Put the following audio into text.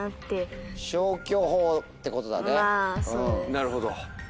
なるほど。